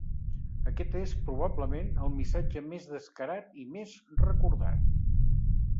Aquest és, probablement, el missatge més descarat i més recordat.